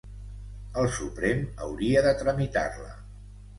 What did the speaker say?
El Suprem hauria de tramitar-la.